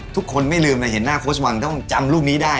ทุกคนไม่ลืมเห็นหน้าโคชวังต้องจำรูปนี้ได้